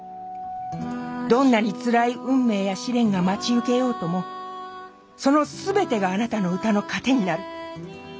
どんなに辛い運命や試練が待ち受けようともその全てがあなたの歌の糧になる。